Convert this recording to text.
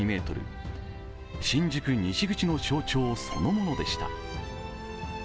新宿西口の象徴そのものでした。